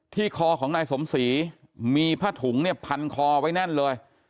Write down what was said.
คอของนายสมศรีมีผ้าถุงเนี่ยพันคอไว้แน่นเลย